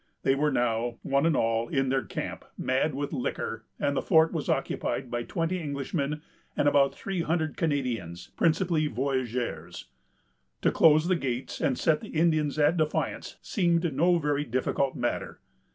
They were now, one and all, in their camp, mad with liquor, and the fort was occupied by twenty Englishmen, and about three hundred Canadians, principally voyageurs. To close the gates, and set the Indians at defiance, seemed no very difficult matter.